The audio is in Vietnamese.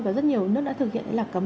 và rất nhiều nước đã thực hiện là cấm